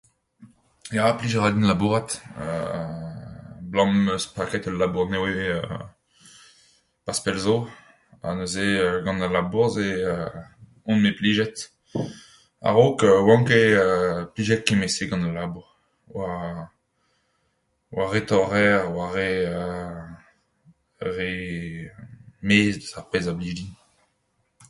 Ya, plij a ra din labourat euu 'blam 'm eus paket ul labour nevez pas pell zo ha neuze gant al labour-se on bet plijet. A-raok 'oan ket plijet kement-se gant al labour... oa... oa re torr-revr... oa re... re 'maez eus ar pezh a blij din.